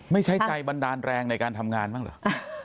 ไม่ใช้ใจบันดาลแรงในการทำงานบ้างเหรอ